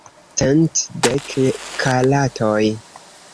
Cent dek karatoj.